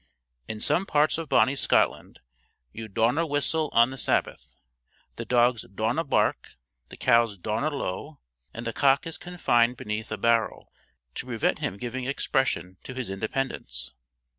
In some parts of bonnie Scotland you "daurna whistle on the Sabbath," the dogs "daurna" bark, the cows "daurna" low, and the cock is confined beneath a barrel, to prevent him giving expression to his independence.